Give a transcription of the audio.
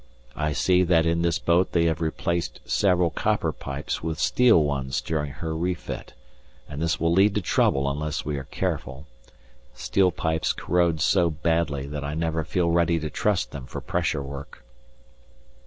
I see that in this boat they have replaced several copper pipes with steel ones during her refit, and this will lead to trouble unless we are careful steel pipes corrode so badly that I never feel ready to trust them for pressure work.